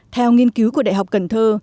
theo nghiên cứu của đại học cần thơ